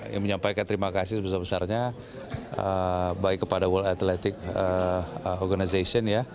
yang menyampaikan terima kasih sebesar besarnya baik kepada world athletic organization ya